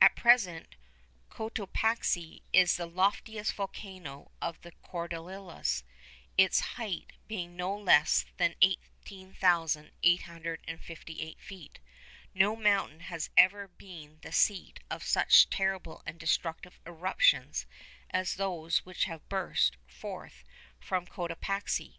At present Cotopaxi is the loftiest volcano of the Cordilleras, its height being no less than 18,858 feet. No mountain has ever been the seat of such terrible and destructive eruptions as those which have burst forth from Cotopaxi.